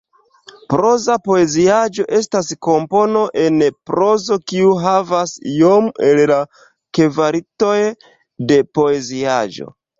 Proza poeziaĵo estas kompono en prozo kiu havas iome el la kvalitoj de poeziaĵo.